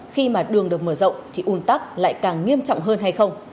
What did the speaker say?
khi mà đường được mở rộng thì ủn tắc lại càng nghiêm trọng hơn hay không